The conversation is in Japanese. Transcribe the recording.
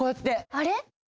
あれ？